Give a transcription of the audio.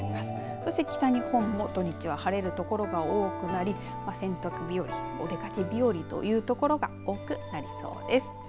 そして北日本も土日は晴れるところが多くなり洗濯日和、お出かけ日和というところが多くなりそうです。